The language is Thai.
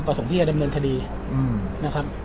ประสงค์ที่อดำเนินคดีนะครับ